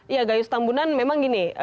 ya gayus tambunan memang gini